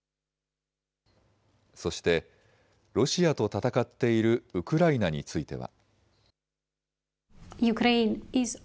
そしてロシアと戦っているウクライナについては。